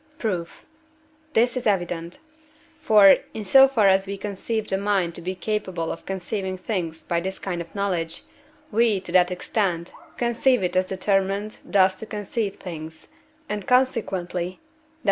Proof This is evident. For, in so far as we conceive the mind to be capable of conceiving things by this kind of knowledge, we, to that extent, conceive it as determined thus to conceive things; and consequently (Def.